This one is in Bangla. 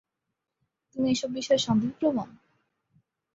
তুমি এসব বিষয়ে সন্দেহপ্রবণ?